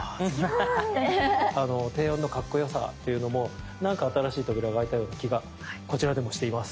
低音のカッコよさっていうのもなんか新しい扉が開いたような気がこちらでもしています。